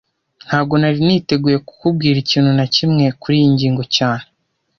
Ntago nari nateguye kukubwira ikintu na kimwe kuriyi ngingo cyane